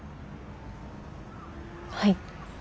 はい。